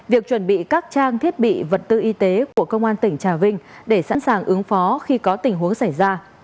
việc chuẩn bị các trang thiết bị vật tư y tế của công an tỉnh trà vinh để sẵn sàng ứng phó khi có tình huống xảy ra